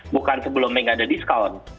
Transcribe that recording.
bukan sebelumnya nggak ada diskon